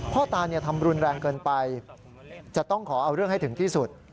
พ่อตาทำรุนแรงเกินไปจะต้องขอเอาเรื่องให้ถึงที่สุด